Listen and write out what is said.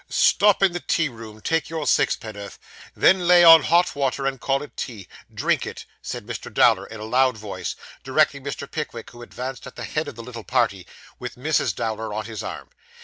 'Stop in the tea room. Take your sixpenn'orth. Then lay on hot water, and call it tea. Drink it,' said Mr. Dowler, in a loud voice, directing Mr. Pickwick, who advanced at the head of the little party, with Mrs. Dowler on his arm.